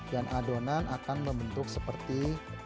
adonan akan membentuk seperti